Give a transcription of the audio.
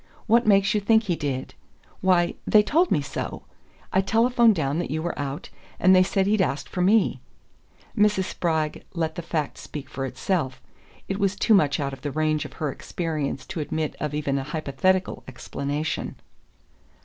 "What makes you think he did?" "Why, they told me so. I telephoned down that you were out, and they said he'd asked for me." Mrs. Spragg let the fact speak for itself it was too much out of the range of her experience to admit of even a hypothetical explanation.